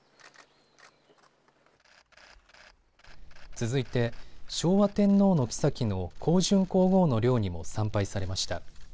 続いて昭和天皇のきさきの香淳皇后の陵にも参拝されました。